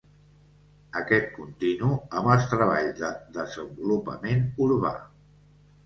Aquest continu amb els treballs de desenvolupament urbà.